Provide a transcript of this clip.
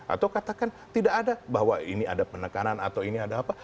atau katakan tidak ada bahwa ini ada penekanan atau ini ada apa